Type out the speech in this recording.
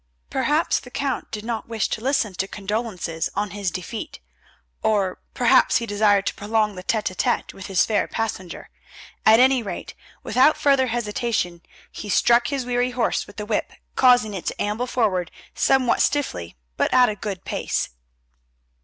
Perhaps the Count did not wish to listen to condolences on his defeat, or perhaps he desired to prolong the tête à tête with his fair passenger. At any rate, without further hesitation, he struck his weary horse with the whip, causing it to amble forward somewhat stiffly but at a good pace.